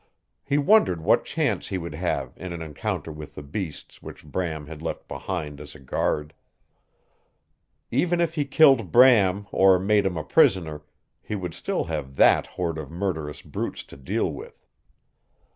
He wondered what chance he would have in an encounter with the beasts which Bram had left behind as a guard. Even if he killed Bram or made him a prisoner he would still have that horde of murderous brutes to deal with.